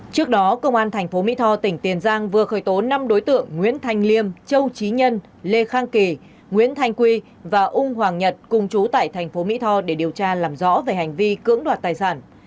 trước đó công an thành phố mỹ tho tỉnh tiền giang vừa khởi tố năm đối tượng nguyễn thanh liêm châu trí nhân lê khang kỳ nguyễn thanh quy và ung hoàng nhật cùng chú tại thành phố mỹ tho để điều tra làm rõ về hành vi cưỡng đoạt tài sản